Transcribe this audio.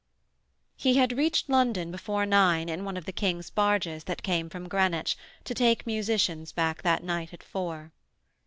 He had reached London before nine in one of the King's barges that came from Greenwich to take musicians back that night at four.